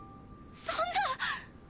そんな。